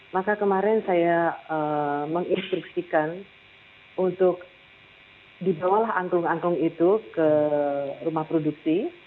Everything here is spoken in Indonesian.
maka kemarin saya menginstruksikan untuk dibawalah angklung angklung itu ke rumah produksi